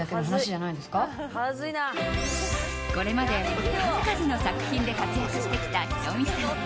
これまで数々の作品で活躍してきた仁美さん。